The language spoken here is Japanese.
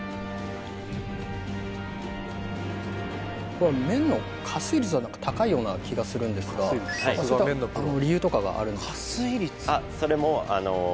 これ麺の加水率は高いような気がするんですがそういった理由とかがあるんですか？